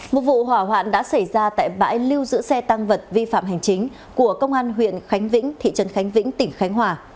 một vụ hỏa hoạn đã xảy ra tại bãi lưu giữ xe tăng vật vi phạm hành chính của công an huyện khánh vĩnh thị trấn khánh vĩnh tỉnh khánh hòa